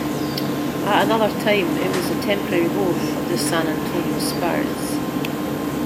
At another time, it was the temporary home of the San Antonio Spurs.